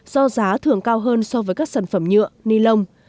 do giá thường cao hơn so với các sản phẩm nhựa ni lông